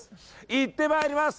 行ってまいります！